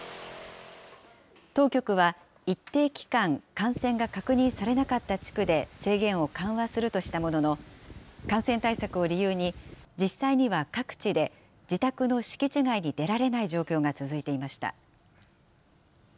当局は、一定期間、感染が確認されなかった地区で、制限を緩和するとしたものの、感染対策を理由に、実際には、各地で自宅の敷地外に出られない状況が続いていました。